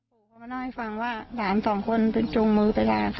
ปู่พร้อมมานั่งให้ฟังว่าหลานสองคนจุงมือไปลาค่ะ